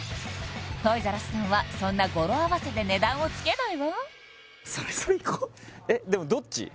トイザらスさんはそんな語呂合わせで値段をつけないわえっでもどっち？